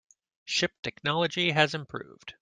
Ship technology has improved.